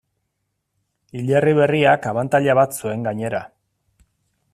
Hilerri berriak abantaila bat zuen gainera.